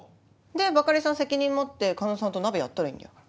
でバカリさん責任持って狩野さんと鍋やったらいいんだよ。